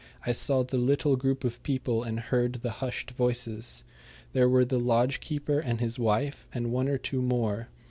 I saw the little group of people and heard the hushed voices. There were the lodge keeper and his wife, and one or two more.